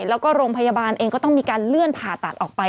แล้วก็โรงพยาบาลเองก็ต้องมีการเลื่อนผ่าตัดออกไป